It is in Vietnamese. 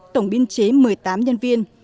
tổng biên chế một mươi tám nhân viên